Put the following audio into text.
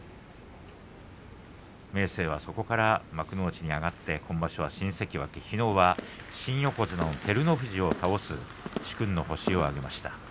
明生はそこから幕内に上がって今場所は新関脇きのうは新横綱の照ノ富士を倒す殊勲の星を挙げました。